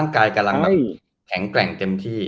แข็งแกร่งเต็มที่